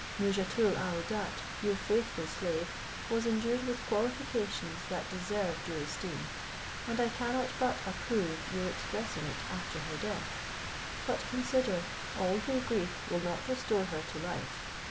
Nouzhatoul aouadat, your faithful slave, was endued with qualifications that deserved your esteem, and I cannot but approve your expressing it after her death; but consider all your grief will not restore her to life.